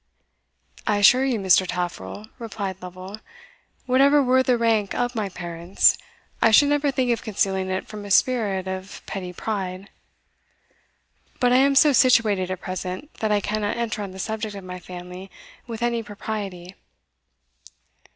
"I assure you, Mr. Taffril," replied Lovel, "whatever were the rank of my parents, I should never think of concealing it from a spirit of petty pride. But I am so situated at present, that I cannot enter on the subject of my family with any propriety."